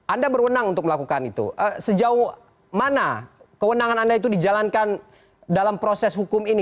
anda berwenang untuk melakukan itu sejauh mana kewenangan anda itu dijalankan dalam proses hukum ini